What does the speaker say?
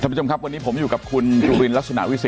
ทะบุจมครับวันนี้ผมอยู่กับคุณจุฬินรักษณาวิสิต